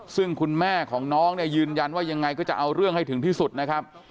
ซึ่งคุณแม่ของน้องเนี่ยยืนยันว่ายังไงก็จะเอาเรื่องให้ถึงที่สุดนะครับ